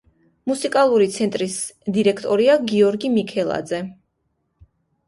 მუსიკალური ცენტრის დირექტორია გიორგი მიქელაძე.